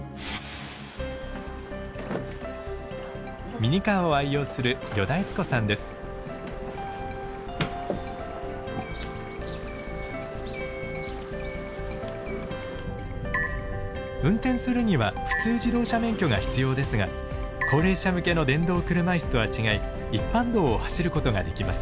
ミニカーを愛用する運転するには普通自動車免許が必要ですが高齢者向けの電動車椅子とは違い一般道を走ることができます。